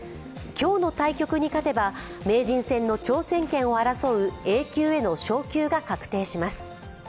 今日の対局に勝てば名人戦の挑戦権を争うＡ級への昇級が確定します。